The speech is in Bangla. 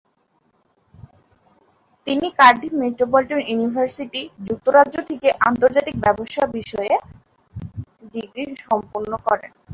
তিনি কার্ডিফ মেট্রোপলিটন ইউনিভার্সিটি, যুক্তরাজ্য থেকে আন্তর্জাতিক ব্যবসা বিষয়ে ম্যানেজমেন্ট ডিগ্রী সম্পন্ন করেন।